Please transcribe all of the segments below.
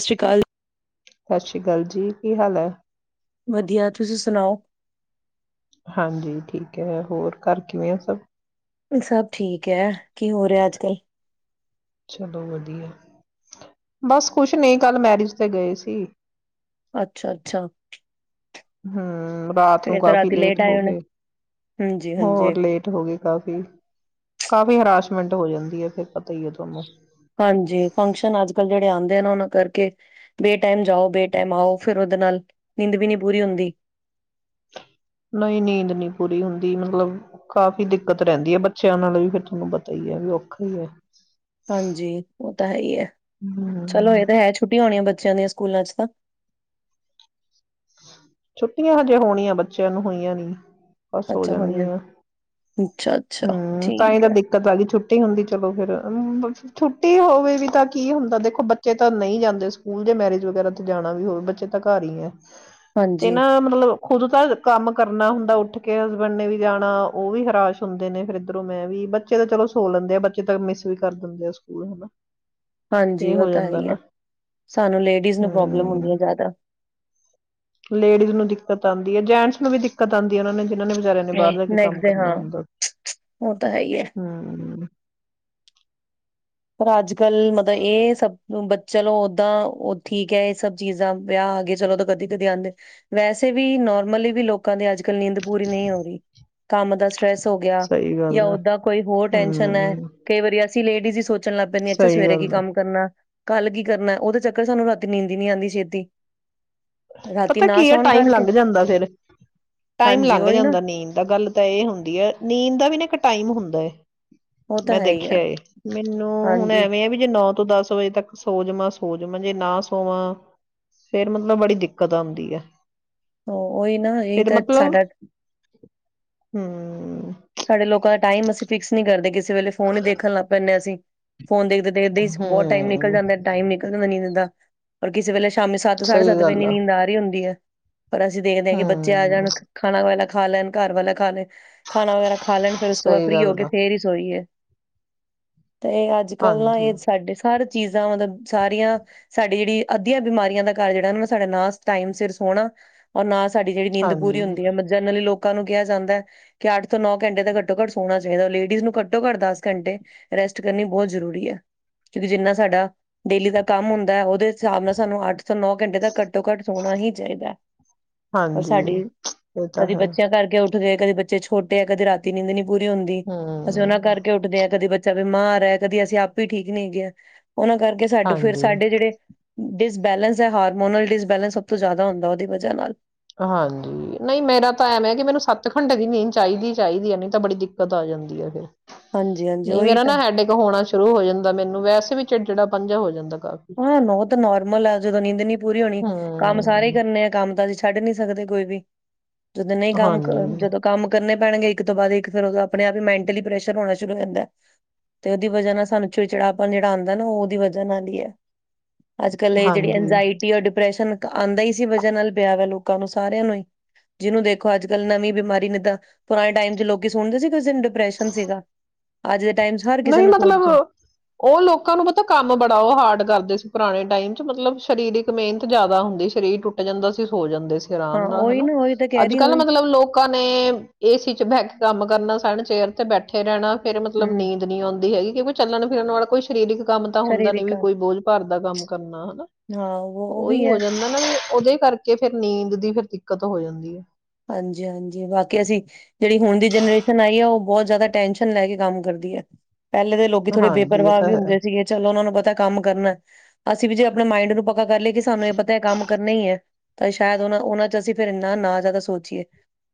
ਸਤਿ ਸ਼੍ਰੀ ਅਕਾਲ। ਸਤਿ ਸ਼੍ਰੀ ਅਕਾਲ ਜੀ, ਕੀ ਹਾਲ ਐ? ਵਧੀਆ ਤੁਸੀਂ ਸੁਣਾਓ? ਹਾਂਜੀ ਠੀਕ ਹੈ ਹੋਰ ਘਰ ਕਿਵੇਂ ਆ ਸਭ ਸਭ ਠੀਕ ਹੈ ਕੀ ਹੋ ਰਿਹਾ ਅੱਜ ਕੱਲ ਚਲੋ ਵਧੀਆ ਬਸ ਕੁਛ ਨਹੀਂ ਕੱਲ ਮੈਰਿਜ ਤੇ ਗਏ ਸੀ ਅੱਛਾ ਅੱਛਾ ਹਾਂ ਰਾਤ ਨੂੰ ਫੇਰ ਤਾਂ ਕਾਫੀ ਰਾਤੀ ਲੇਟ ਆਏ ਹੋ ਹੋਣੇ। ਗਏ ਹਾਂਜੀ ਹਾਂਜੀ ਹੋਰ ਲੇਟ ਹੋ ਗਏ ਕਾਫੀ ਕਾਫ਼ੀ ਹਰਾਸ਼ਮੈਂਟ ਹੋ ਜਾਂਦੀ ਹੈ ਫਿਰ ਪਤਾ ਹੀ ਹੈ ਤੁਹਾਨੂੰ ਹਾਂਜੀ ਫੰਕਸ਼ਨ ਅੱਜ ਕੱਲ੍ਹ ਜਿਹੜੇ ਆਉਂਦੇ ਨਾ ਉਹਨਾਂ ਕਰਕੇ ਬੇਟਾਈਮ ਜਾਓ ਬੇਟਾਈਮ ਆਓ ਫਿਰ ਉਹਦੇ ਨਾਲ ਨਿੰਂਦ ਵੀ ਨੀ ਪੂਰੀ ਹੁੰਦੀ ਨਹੀਂ ਨੀਂਦ ਨਹੀਂੀ ਪੂਰੀ ਹੁੰਦੀ ਮਤਲਬ ਕਾਫ਼ੀ ਦਿੱਕਤ ਰਹਿੰਦੀ ਹੈ ਬੱਚਿਆਂ ਨਾਲ ਵੀ ਫਿਰ ਤੁਹਾਨੂੰ ਪਤਾ ਹੀ ਹੈ ਵੀ ਔਖਾ ਹੈ ਹਾਂਜੀ ਉਹ ਤਾਂ ਹੈ ਹੀ ਹੈ ਚਲੋ ਹਮ ਇਹ ਤਾਂ ਹੈ ਛੁੱਟਟੀ ਹੋਣੀੀਆਂ ਬੱਚਿਆਂ ਦੀਆਂ ਸਕੂਲਾਂ ਚ ਤਾਂ ਛੁੱਟੀਆਂ ਹਜੇ ਹੋਣੀਆਂ ਬੱਚਿਆਂ ਨੂੰ ਹੋਈਆਂ ਨੀ ਬਸ ਹੋ ਅੱਛਾ ਹੋਈਆਂ ਜਾਣਗੀਆ। ਅੱਛਾ ਅੱਛਾ। ਹੂੰ ਤਾਂ ਹੀ ਠੀਕ ਤਾਂ ਹੈ। ਦਿੱਕਤ ਆ ਛੁੱਟੀਆ ਛੁੱਟੀ ਹੁੰਦੀ ਚਲੋ ਫਿਰ ਛੁੱਟੀ ਹੋਵੇ ਵੀ ਤਾਂ ਕੀ ਹੁੰਦਾ ਦੇਖੋ ਬੱਚੇ ਤਾਂ ਨਹੀਂ ਜਾਂਦੇ ਸਕੂਲ ਜੇ ਮੈਰਿਜ ਵਗੈਰਾ ਤੇ ਜਾਣਾ ਵੀ ਹੋਵੇ ਬੱਚੇ ਤਾਂ ਘਰ ਹੀ ਹੈ। ਤੇ ਹਾਂਜੀ ਨਾ ਮਤਲਬ ਖੁਦ ਤਾਂ ਕੰਮ ਕਰਨਾ ਹੁੰਦਾ ਉੱਠ ਕੇ ਹਸਬੈਂਡ ਨੇ ਵੀ ਜਾਣਾ ਉਹ ਵੀ ਹਰਾਸ਼ ਹੁੰਦੇ ਨੇ ਫਿਰ ਇਧਰੋਂ ਮੈਂ ਵੀ ਬੱਚੇ ਤਾਂ ਚਲੋ ਸੋ ਲੈਂਦੇ ਆ ਬੱਚੇ ਤ ਮਿਸ ਵੀ ਕਰ ਦਿੰਦੇ ਆ ਸਕੂਲ ਹਨਾ ਹਾਂਜੀ ਇਹ ਉਹ ਹੋ ਤਾਂ ਹੈ ਜਾਂਦਾ ਹੀ ਹੈ ਨਾ ਸਾਨੂੰ ਲੇਡੀਜ਼ ਨੂੰ ਪ੍ਰੋਬਲਮ ਹੁੰਦੀ ਹੂੰ। ਹੈ ਜ਼ਿਆਦਾ। ਲੇਡੀਜ਼ ਨੂੰ ਦਿੱਕਤ ਆਦੀ ਹੈ ਜੈਂਟਸ ਨੂੰ ਵੀ ਦਿੱਕਤ ਆਦੀ ਹੈ ਉਹਨਾ ਨੇ ਇਹਨਾਂ ਨੇ ਵਿਚਚਾਰਿਆਂ ਨੇ ਬਾਹਰ ਹਮ। ਜਾ ਕੇ ਕੰਮ ਨੈਕਸਟ ਡੇ ਕਰਨਾ ਹਾਂ ਹੁੰਦਾ। ਉਹ ਤਾਂ ਹੈ ਹੀ ਹੈ। ਹੂੰ ਪਰ ਅੱਜ ਕੱਲ ਮਤਲਬ ਇਹ ਸਭ ਬ ਚਲੋ ਓਦਾਂ ਉਹ ਠੀਕ ਹੈ ਇਹ ਸਭ ਚੀਜ਼ਾਂ ਵਿਆਹ ਆ ਗ ਚਲੋ ਤਾਂ ਕਦੀ ਕਦੇ ਆਦੇ ਵੈਸੇ ਵੀ ਨੋਰਮਲੀ ਵੀ ਲੋਕਾਂ ਦੀ ਅੱਜ ਕੱਲ ਨੀਂਦ ਪੂਰੀ ਨਹੀਂ ਹੋ ਰਹੀ ਕੰਮ ਦਾ ਸਟ੍ਰੈਸ ਹੋ ਗਿਆ ਸਹੀ ਗੱਲ ਜਾਂ ਹੈ ਓਦਾਂ ਕੋਈ ਹੋਰ ਟੈਸ਼ਨ ਹੈ ਹੂੰ। ਕਈ ਵਾਰੀ ਲੇਡੀਜ਼ ਸੋਚਣ ਲੱਗ ਪੈਂਦੀਆਂ ਅੱਛਾ ਸਹੀ ਸਵੇਰੇ ਕੀ ਗੱਲ ਆ ਕੰਮ ਕਰਨਾ ਕੱਲ ਕੀ ਕਰਨਾ ਉਹ ਤਾਂ ਚੱਕਰ ਸਾਨੂੰ ਰਾਤੀ ਨੀਂਦ ਨੀ ਆਦੀ ਛੇਤੀ। ਰਾਤੀ ਪਤਾ ਨਾ ਕੀ ਆ ਸੌਣ ਟਾਈਮ ਕਰਕੇ ਲੰਘ ਜਾਂਦਾ ਫਿਰ ਟਾਈਮ ਹਾਂਜੀ ਲੰਘ ਉਹੀ ਨਾ ਜਾਂਦਾ ਨੀਂਦ ਦਾ ਗੱਲ ਤਾਂ ਇਹ ਹੁੰਦੀ ਹੈ ਨੀਂਦ ਦਾ ਵੀ ਨਾ ਇੱਕ ਟਾਈਮ ਹੁੰਦਾ ਐ। ਉਹ ਤਾਂ ਮੈਂ ਹੈ ਹੀ ਹੈ ਦੇਖਿਆ ਮੈਨੂੰ ਹੁਣ ਹਾਂਜੀ ਐਵੇਂ ਹੈ ਵੀ ਜੇ ਨੌ ਤੋਂ ਦਸ ਵਜੇ ਤੱਕ ਸੋਜਵਾਂ ਸੋਜਵਾਂ ਜੇ ਨਾ ਸੋਵਾਂ ਫੇਰ ਮਤਲਬ ਬੜੀ ਦਿੱਕਤ ਆਦੀ ਹੈ। ਉਹੀ ਨਾ ਇਹੀ ਫੇਰ ਤਾਂ ਸਾਡਾ ਮਤਲਬ ਹਮ ਸਾਡੇ ਲੋਕਾਂ ਦਾ ਟਾਈਮ ਅਸੀਂ ਫਿਕਸ ਨੀ ਕਰਦੇ ਕਿਸ ਵੇਲੇ ਫੋਨ ਹੀ ਦੇਖਣ ਲੱਗ ਪੈਂਦੇ ਹਾ ਅਸੀਂ। ਫੋਨ ਦੇਖਦੇ ਦੇਖਦੇ ਹੀ ਬਹੁਤ ਟਾਈਮ ਨਿਕਲ ਜਾਂਦਾ ਹਮ ਟਾਈਮ ਨਿਕਲ ਜਾਂਦਾ ਨੀਂਦ ਦਾ ਔਰ ਕਿਸੇ ਵੇਲੇ ਸ਼ਾਮੀ ਸੱਤ ਸਾਢੇ ਸਹੀ ਸੱਤ ਵਜੇ ਗੱਲ ਨੀਂਦ ਆ ਰਹੀ ਹੁੰਦੀ ਹੈ। ਪਰ ਅਸੀਂ ਦੇਖਦੇ ਹਾਂ ਕਿ ਬੱਚੇ ਆ ਹਮ ਜਾਣ ਖਾਣਾ ਖਾ ਲੈਣ ਘਰ ਵਾਲਾ ਖਾ ਲੈ ਖਾਣਾ ਵਗੈਰਾ ਖਾ ਲੈਣ ਫਿਰ ਓਸ ਤੋਂ ਬਾਦ ਸਹੀ ਫਰੀ ਹੋ ਗੱਲ ਕੇ ਆ ਫੇਰ ਹੀ ਸੋਈਏ। ਤੇ ਅੱਜ ਕੱਲ ਨਾ ਹਾਂਜੀ ਇਹ ਸਾਡੇ ਸਾਰੇ ਚੀਜ਼ਾਂ ਮਤਲਬ ਸਾਰੀਆਂ ਸਾਡੀ ਜਿਹੜੀ ਅੱਧੀਆਂ ਬਿਮਾਰੀਆਂ ਦਾ ਕਾਰਨ ਜਿਹੜਾ ਉਹ ਸਾਡਾ ਨਾ ਟਾਈਮ ਸਿਰ ਸੋਣਾ ਔਰ ਨਾ ਸਾਡੀ ਜਿਹੜੀ ਨੀਂ ਹਾਂਜੀ ਪੂਰੀ ਹੁੰਦੀ ਹੈ ਜਨਰਲੀ ਲੋਕ ਲੋਕਾਂ ਨੂੰ ਕਿਹਾ ਜਾਂਦਾ ਹੈ। ਕਿ ਅੱਠ ਤੋਂ ਨੌ ਘੰਟੇ ਤਾਂ ਘੱਟੋ ਘੱਟ ਸੋਣਾ ਚਾਹੀਦਾ ਲੇਡੀਜ਼ ਨੂੰ ਘੱਟੋ ਘੱਟ ਦਸ ਘੰਟੇ ਰੈਸਟ ਕਰਨੀ ਬਹੁਤ ਜ਼ਰੂਰੀ ਹੈ ਕਿਉਂਕਿ ਜਿੰਨਾ ਸਾਡਾ ਡੇਲੀ ਦਾ ਕੰਮ ਹੁੰਦਾ ਓਦੇ ਹਿਸਾਬ ਨਾਲ ਸਾਨੂੰ ਅੱਠ ਨੌ ਘੰਟੇ ਤੱਕ ਘੱਟੋ ਘੱਟ ਸੋਣਾ ਹੀ ਚਾਹੀਦਾ ਹੈ ਔਰ ਹਾਂਜੀ ਸਾਡੀ ਇਹ ਤਾਂ ਹੈ ਬੱਚਿਆਂ ਕਰਕੇ ਗਏ ਕਦੇ ਬ ਚੇ ਛੋਟੇ ਆ ਕਦੇ ਰਾਤੀ ਨੀਂਦ ਨੀ ਪੂਰੀ ਹੁੰਦੀ। ਅਸੀਂ ਉਹਨਾਂ ਹਮ ਕਰਕੇ ਉੱਠਦੇ ਹਾਂ ਕਦੇ ਬੱਚ ਚਾ ਬਿਮਾਰ ਐ ਕਦੀ ਅਸੀਂ ਆਪੇ ਠੀਕ ਨਈ ਹੈਗੇ ਆ। ਉਹਨਾਂ ਕਰਕੇ ਸਾਡੇ ਫੇਰ ਹਾਂਜੀ ਸਾਡੇ ਜਿਹੜੇ ਉ ਡਿਸਬੈਲੈਂਸ ਏ, ਹਾਰਮੋਨਲ ਡਿਸਬੈਲੈਂਸ ਸਭ ਤੋਂ ਜ਼ਿਆਦਾ ਹੁੰਦਾ ਉਹਦੀ ਵਜ੍ਹਾ ਨਾਲ। ਹਾਂਜੀ, ਨਈ ਮੇਰਾ ਤਾਂ ਐਮ ਐ ਕਿ ਮੈਨੂੰ ਸੱਤ ਘੰਟੇ ਦੀ ਨੀਂਦ ਚਾਹੀਦੀ ਚਾਹੀਦੀ ਏ ਨਈ ਤਾਂ ਬੜੀ ਦਿੱਕਤ ਆ ਜਾਂਦੀ ਏ ਫੇਰ। ਹਾਂਜੀ ਹਾਂਜੀ ਨਹੀਂ ਉਹੀ ਮੇਰਾ ਤਾਂ ਨਾ ਹੈਡਕ ਹੋਣਾ ਸ਼ੁਰੂ ਹੋ ਜਾਂਦਾ ਮੈਨੂੰ ਵੈਸੇ ਵੀ ਚਿੱੜਚਿੜਾ ਪਨ ਜਿਹਾ ਹੋ ਜਾਂਦਾ। ਕਾਫੀ ਹਾਂ, ਉਹ ਤਾਂ ਨੋਰਮਲ ਆ ਜਦੋਂ ਨੀਂਦ ਨੀ ਪੂਰੀ ਹੋਣੀ ਕੰਮ ਸਾਰੇ ਹੀ ਹਮ ਕਰਨੇ ਆ ਕੰਮ ਤਾਂ ਛ ਛੱਡ ਨੀ ਸਕਦੇ ਕੋਈ ਵੀ। ਜਦੋਂ ਨਹੀਂ ਕੰਮ ਕ ਹਾਂਜੀ ਜਦੋਂ ਕੰਮ ਕਰਨੇ ਪੈਣਗੇ ਇੱਕ ਤੋਂ ਬਾਅਦ ਇੱਕ ਫਿਰ ਤਾ ਉਹ ਆਪਣੇ ਆਪ ਹੀ ਮੈਂਟਲੀ ਪ੍ਰੈਸ਼ਰ ਹੋਣਾ ਸ਼ੁਰੂ ਕਰ ਜਾਂਦਾਏ। ਤੇ ਉਹਦੀ ਵਜ੍ਹਾ ਨਾਲ ਸਾਨੂੰ ਚਿੜਚੜਾਪਣ ਜਿਹੜਾ ਆਂਦਾ ਨਾ ਉਹ ਉਹਦੀ ਵਜ੍ਹਾ ਨਾਲ ਈ ਏ। ਅੱਜ ਕੱਲ ਇਹ ਜਿਹੜੀ ਹਾਂਜੀ ਇੰਝਾਇਟੀ ਔਰ ਡਿਪਰੈਸ਼ਨ ਤਾ ਆਂਦਾ ਈ ਸੀ ਵਜ੍ਹਾ ਨਾਲ ਪਿਆ ਵ ਲੋਕਾਂ ਨੂੰ ਸਾਰਿਆਂ ਨੂੰ ਈ ਜਿਹਨੂੰ ਦੇਖੋ ਅੱਜ ਕੱਲ੍ਹ ਨਵੀਂ ਬਿਮਾਰੀ ਨਿੱਦਾਂ। ਪੁਰਾਣੇ ਟਾਈਮ ਚ ਲੋਕ ਸੁਨਦੇ ਸੀ ਕਿਸ ਨੂੰ ਡਿਪਰੈਸ਼ਨ ਸੀਗਾ। ਅੱਜ ਦੇ ਟਾਈਮ 'ਚ ਹਰ ਕਿਸੇ ਨਈ ਨੂੰ ਮਤਲਬ ਸੋਚ ਉਹ ਲੋਕਾਂ ਨੂੰ ਪਤਾ ਕੰਮ ਬੜਾ ਉਹ ਹਾਰਡ ਕਰਦਾ ਪੁਰਾਣੇ ਟਾਈਮ ਚ ਮਤਲਬ ਸਰੀਰਕ ਮਿਹਨਤ ਜ਼ਿਆਦਾ ਹੁੰਦੀ ਸਰੀਰ ਟੁੱਟ ਜਾਂਦਾ ਸੀ ਸੋ ਜਾਂਦੇ ਸੀ ਆਰਾਮ ਹਾਂ ਨਾਲ ਉਹੀ ਹਨਾ। ਨਾ ਉਹੀ ਤਾਂ ਕਹਿ ਅੱਜ ਰਹੀ ਕੱਲ ਉਹੀ ਮਤਲਬ ਲੋਕਾਂ ਨੇ ਏ ਸੀ ਚ ਬਹਿ ਕੰਮ ਕਰਨਾ ਸਨ ਚੇਅਰ ਤੇ ਬੈਠੇ ਰਹਿਣਾ। ਫੇਰ ਮਤਲਬ ਹਮ ਨੀ ਨੀ ਆਉਂਦੀ ਹੈਗੀ। ਕਿ ਕੋਈ ਚੱਲਣ ਫਿਰਨ ਵਾਲਾ ਕੋਈ ਸਰੀਰਕ ਕੰਮ ਤਾਂ ਹੁੰਦਾ ਨੀ ਸਰੀਰਿਕ ਵੀ ਕੋਈ ਬੋਝ ਭਰ ਦਾ ਕੰਮ ਕਰਨਾ। ਹਾਂ ਉਹ ਉਹ ਉਈ ਵੀ ਹੈ। ਹੋ ਜਾਂਦਾ ਨਾ ਵੀ ਉਹਦੇ ਕਰਕੇ ਫੇਰ ਨੀਂਦ ਦੀ ਫਿਰ ਦਿੱਕਤ ਹੋ ਜਾਂਦੀ ਐ। ਹਾਂਜੀ, ਹਾਂਜੀ ਬਾਕੀ ਅਸੀਂ ਜਿਹੜੀ ਹੁਨ ਦੀ ਜਨਰੇਸ਼ਨ ਆਈ ਆ। ਉਹ ਬਹੁਤ ਜ਼ਿਆਦਾ ਟੈਨਸ਼ਨ ਲੈ ਕੇ ਕੰਮ ਕਰਦੀ ਐ। ਪਹਿਲੇ ਦੇ ਲੋਕ ਥੋੜੇ ਹਾਂਜੀ ਇਹ ਬੇਪਰਵਾਹ ਤਾਂ ਵੀ ਹੁੰ ਹੈ ਸੀਗੇ ਚਲ ਉਹਨਾਂ ਨੂੰ ਪਤਾ ਏ ਕੰਮ ਕਰਨਾ ਅਸੀਂ ਵੀ ਜੇ ਆਪਣੇ ਮਾਇੰਡ ਨੂੰ ਪ ਕਾ ਕਰ ਲਏ ਕਿ ਸਾਨੂੰ ਇਹ ਪਤਾ ਕੰਮ ਕਰਨਾ ਈ ਐ। ਤਾਂ ਸ਼ਾਇਦ ਉਹਨਾ ਉਹਨਾਂ ਚ ਅਸੀਂ ਫੇਰ ਇੰਨਾ ਨਾ ਜ਼ਿਆਦਾ ਸੋ ਸੋਚੀਏ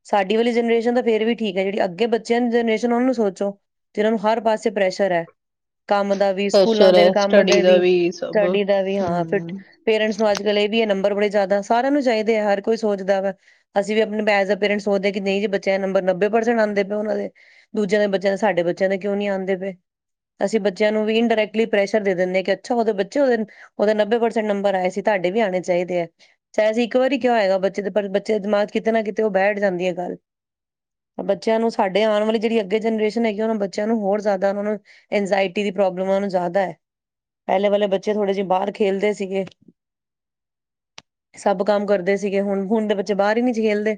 ਸਾਡੀ ਵਾਲੀ ਜਨਰੇਸ਼ਨ ਤਾਂ ਫੇਰ ਵੀ ਠੀਕ ਐ। ਜਿਹੜੀ ਅੱਗੇ ਬੱਚਿਆਂ ਦੀ ਜਨਰੇਸ਼ਨ ਉਹਨ ਨੂੰ ਸੋਚੋ, ਜਿਨਾਂ ਨੂੰ ਹਰ ਪਾਸੇ ਪ੍ਰੈਸ਼ਰ ਐ। ਕੰਮ ਦਾ ਵੀ, ਸਕੂਲਾਂ ਪ੍ਰੈਸ਼ਰ ਦੇ ਹੈ ਕੰਮ ਸਟੱਡੀ ਦੇ ਦਾ ਵੀ, ਸਭ ਸਟੱਡੀ ਦਾ ਵੀ ਹਾਂ ਫੇਰ ਹਮ ਪੇਰੈਂਟਸ ਨੂੰ ਅੱਜ ਕੱਲ ਇਹ ਵੀ ਏ ਨੰਬਰ ਬਬਰ ਬੜੇ ਜ਼ਿਆਦਾ ਸਾਰਿਆਂ ਨੂੰ ਚਾਹੀਦੇ ਆ ਹਰ ਕੋਈ ਸੋਚਦਾ ਵਾ। ਅਸੀ ਵੀ [unintelligible] ਅ ਪੇਰੈਂਟਸ ਸੋਚਦੇ ਹਾਂ ਕਿ ਨਈ ਜੀ ਬੱਚਿਆਂ ਨੰਬਰ ਨੱਬੇ ਪਰਸੈਂਟ ਆਂਦੇ ਪਏ ਉਹਨਾਂ ਦੇ, ਦੂਜਿਆਂ ਦੇ ਬੱਚਿਆਂ ਦੇ ਸਾਡੇ ਬੱਚਿਆਂ ਦੇ ਕਿਉਂ ਨਈ ਆਂਦੇ ਪਏ। ਅਸੀਂ ਬੱਚਿਆਂ ਨੂੰ ਵੀ ਇਨ ਡਾਇਰੈਕਟਲੀ ਪ੍ਰੈਸ਼ਰ ਦੇ ਦਿੰਦੇ ਅ। ਕਿ ਅੱਛਾ ਉਹਦੇ ਬੱਚੇ ਉਹਦੇ ਨੱਬੇ ਪ੍ਰਸੈਂਟ ਨੰਬਰ ਆਏ ਸੀ ਟਾਡੇ ਵੀ ਆਨੇ ਚਾਹੀਦੇ ਏ। ਚਾਹੇ ਅਸੀਂ ਇੱਕ ਵਾਰੀ ਕਿਆ ਹੋਏਗਾ ਬੱਚੇ ਦੇ ਪਰ ਬੱਚੇ ਦੇ ਦਿਮਾਗ ਕਿਤੇ ਨਾ ਕਿਤੇ ਉਹ ਬੈਠ ਜਾਂਦੀ ਏ ਗੱਲ, ਬੱਚਿਆਂ ਨੂੰ ਸਾਡੇ ਆਣ ਵਾਲੀ ਜਿਹੜੀ ਅੱਗੇ ਜਨਰੇਸ਼ਨ ਹੈਗੀ ਉਹਨਾਂ ਬੱਚਿਆਂ ਨੂੰ ਹੋਰ ਜ਼ਿਆਦਾ ਉਹ ਨੂੰ ਇੰਜਾਇਟੀ ਦੀ ਪ੍ਰੋਬਲਮਾਂ ਨੂੰ ਜ਼ਿਆਦਾ ਏ। ਪਹਿਲੇ ਵਾਲੇ ਬੱਚੇ ਥੋੜੇ ਜਿਹੇ ਬਾਰ ਖੇਲਦੇ ਸੀਗੇ। ਸਭ ਕੰਮ ਕਰਦੇ ਸੀਗੇ ਹੁਨ, ਹੁਨ ਦੇ ਬੱਚੇ ਬਾਹਰ ਈ ਨੀ ਜ ਖੇਲਦੇ।